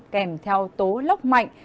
kèm theo tố lốc mạnh